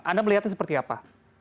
anda melihatnya seperti apa